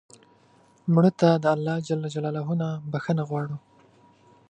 مړه ته الله ج نه بخښنه غواړو